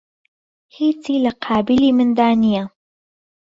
هیچی لە قابیلی مندا نییە